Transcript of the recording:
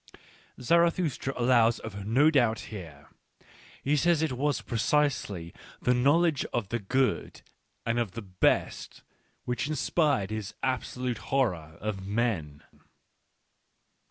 Zarathustra allows of no doubt here ; he says that it was precisely the knowledge of the good, of the " best," which inspired his absolute horror of men.